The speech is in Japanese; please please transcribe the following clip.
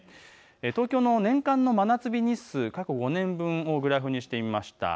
東京の年間の真夏日日数、過去５年分をグラフにしてみました。